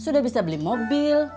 sudah bisa beli mobil